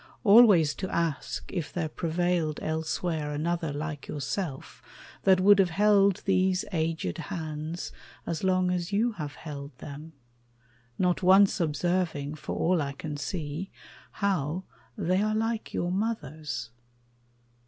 Always to ask if there prevailed elsewhere Another like yourself that would have held These aged hands as long as you have held them, Not once observing, for all I can see, How they are like your mother's.